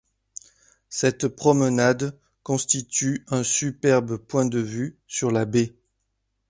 Cette promenade constitue un superbe point de vue sur la baie.